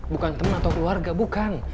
bukan teman atau keluarga bukan